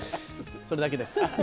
それだけです。